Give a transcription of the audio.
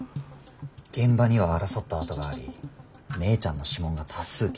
現場には争った跡があり姉ちゃんの指紋が多数検出されている。